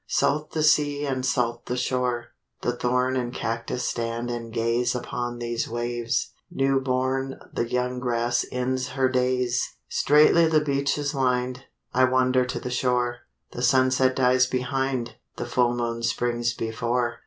Salt the sea And salt the shore; the thorn And cactus stand and gaze Upon these waves; new born The young grass ends her days; Straightly the beach is lined. I wander to the shore. The sunset dies behind, The full moon springs before.